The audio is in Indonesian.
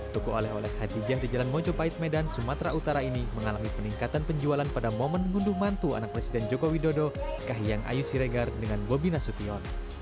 toko oleh oleh khadijah di jalan mojopahit medan sumatera utara ini mengalami peningkatan penjualan pada momen ngunduh mantu anak presiden joko widodo kahiyang ayu siregar dengan bobi nasution